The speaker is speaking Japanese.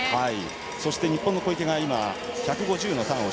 そして、日本の小池１５０のターン。